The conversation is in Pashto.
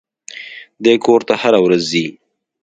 دى کور ته هره ورځ ځي.